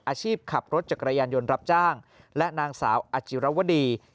อาชีพขับรถจักรยานยนต์รับจ้างและนางสาวอาจิรวดี